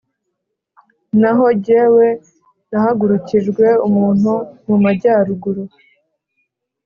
Naho jyewe, nahagurukije umuntu mu majyaruguru,